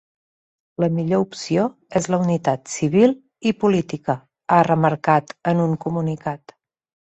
La millor opció és la unitat civil i política, ha remarcat en un comunicat.